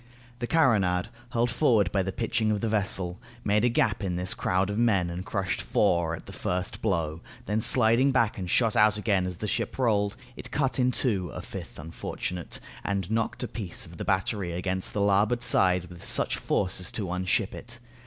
The carronade, hurled forward by the pitching of the vessel, made a gap in this crowd of men and crushed four at the first blow; then sliding back and shot out again as the ship rolled, it cut in two a fifth unfortunate, and knocked a piece of the battery against the larboard side with such force as to unship it.